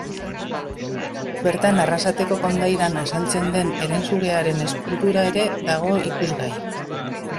Bertan Arrasateko kondairan azaltzen den herensugearen eskultura ere dago ikusgai.